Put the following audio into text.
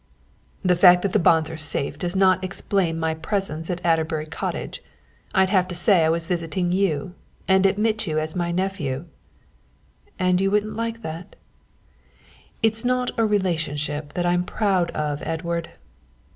"The fact that the bonds are safe does not explain my presence at Adderbury Cottage. I'd have to say I was visiting you and admit you as my nephew." "And you wouldn't like that?" "It's not a relationship that I'm proud of, Edward."